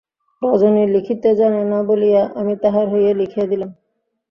রজনী লিখিতে জানে না বলিয়া আমি তাহার হইয়া লিখিয়া দিলাম।